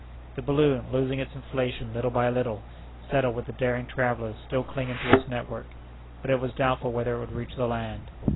The balloon, losing its inflation little by little, settled with the daring travellers still clinging to its network; but it was doubtful whether it would reach the land.